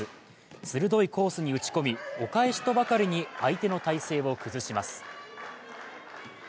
鋭いコースに打ち込み、お返しとばかりに相手の体勢を崩します。